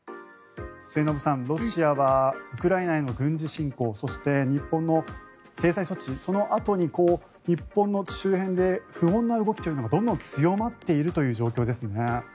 末延さん、ロシアはウクライナへの軍事侵攻そして日本の制裁措置そのあとに日本の周辺で不穏な動きというのがどんどん強まっている状況ですね。